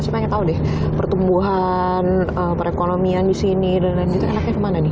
saya ingin tahu deh pertumbuhan perekonomian di sini dan lain lain itu enaknya kemana